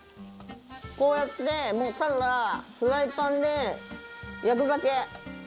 こうやってただフライパンで焼くだけ。